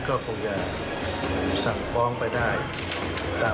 ตามพยานำฐานที่ปรากฏนะครับ